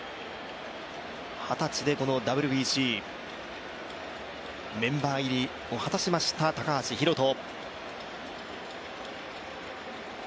はたちでこのＷＢＣメンバー入りを果たしました高橋宏斗。